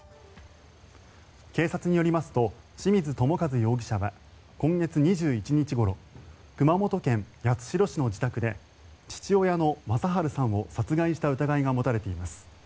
警察によりますと志水友和容疑者は今月２１日ごろ熊本県八代市の自宅で父親の正春さんを殺害した疑いが持たれています。